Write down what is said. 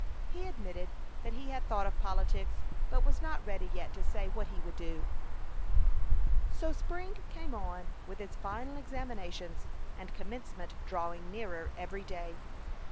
He admitted that he had thought of politics, but was not ready yet to say what he would do. So spring came on, with its final examinations, and Commencement drawing nearer every day.